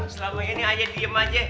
selama ini ayo diem aja